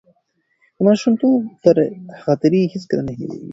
د ماشومتوب خاطرې هیڅکله نه هېرېږي.